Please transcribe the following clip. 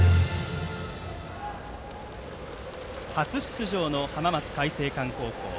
初出場の浜松開誠館高校。